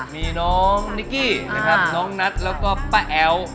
มีน้องนิกกี้นะครับน้องนัทแล้วก็ป้าแอ๋ว